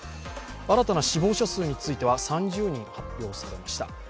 新たな死亡者数については３０人と発表されました。